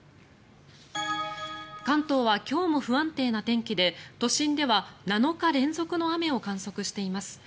関東は今日も不安定な天気で都心では７日連続の雨を観測しています。